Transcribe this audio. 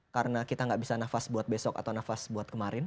karena kita nggak bisa nafas buat besok atau nafas buat kemarin